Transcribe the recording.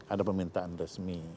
ada permintaan resmi